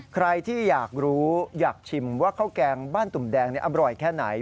ใครที่อยากรู้อยากชิมว่าข้าวแกงบ้านตุ่มแดงอร่อยแค่ไหน